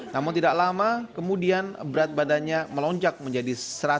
namun tidak lama kemudian berat badannya melonjak menjadi satu